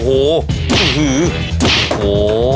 โอ้โห